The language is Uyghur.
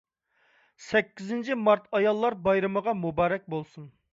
«سەككىزىنچى مارت» ئاياللار بايرىمىغا مۇبارەك بولسۇن.